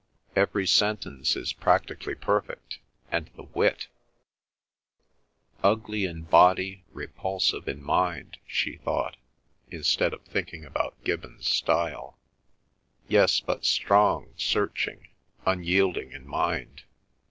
"Every sentence is practically perfect, and the wit—" "Ugly in body, repulsive in mind," she thought, instead of thinking about Gibbon's style. "Yes, but strong, searching, unyielding in mind."